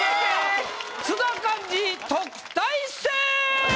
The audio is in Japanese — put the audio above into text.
津田寛治特待生！